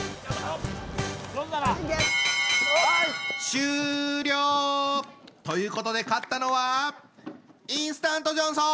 終了！ということで勝ったのはインスタントジョンソン！